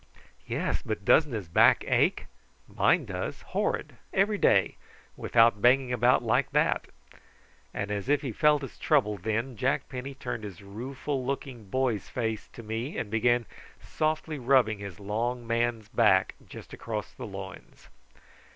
"Yes! but don't his back ache? Mine does, horrid, every day, without banging about like that;" and as if he felt his trouble then Jack Penny turned his rueful looking boy's face to me and began softly rubbing his long man's back just across the loins.